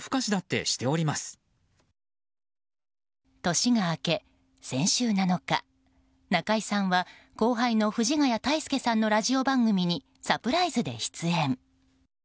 年が明け先週７日中居さんは、後輩の藤ヶ谷太輔さんのラジオ番組にサプライズで出演。